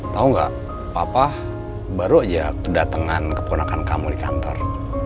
tau gak papa baru aja kedatengan keponakan kamu di kantor